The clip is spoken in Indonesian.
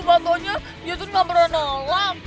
foto nya dia tuh gak pernah nolak